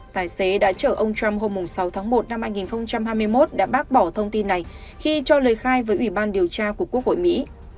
tài xế đã chở ông trump hôm sáu tháng một năm hai nghìn hai mươi một đã bác bỏ thông tin này khi cho lời khai với ủy ban điều tra của quốc hội mỹ